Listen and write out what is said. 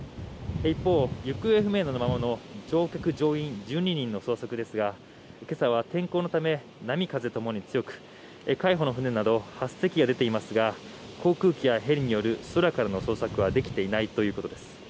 一方、行方不明のままの乗客・乗員１２人の捜索ですが今朝は天候のため波、風ともに強く海保の船など８隻が出ていますが航空機やヘリによる空からの捜索はできていないということです。